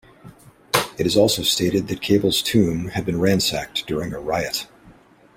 It is also stated that Keble's tomb had been ransacked during a riot.